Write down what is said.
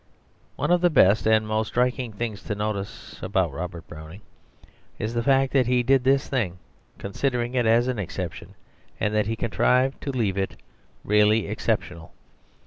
One of the best and most striking things to notice about Robert Browning is the fact that he did this thing considering it as an exception, and that he contrived to leave it really exceptional.